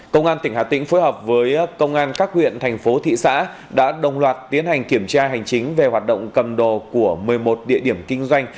công an tỉnh hà tĩnh phối hợp với công an các huyện thành phố thị xã đã đồng loạt tiến hành kiểm tra hành chính về hoạt động cầm đồ của một mươi một địa điểm kinh doanh